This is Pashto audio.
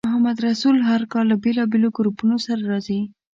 محمدرسول هر کال له بېلابېلو ګروپونو سره راځي.